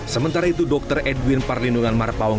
sementara itu dr edwin parlindungan marpaung